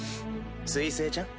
水星ちゃん